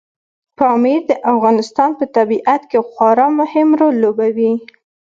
پامیر د افغانستان په طبیعت کې خورا مهم رول لوبوي.